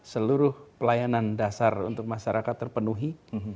seluruh pelayanan dasar untuk masyarakat terpenuhi